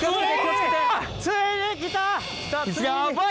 ついに来た！